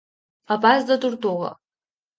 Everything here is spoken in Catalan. A pas de tortuga.